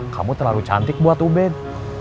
kamu terlalu cantik buat ubed